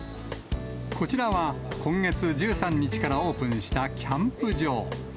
こちらは今月１３日からオープンしたキャンプ場。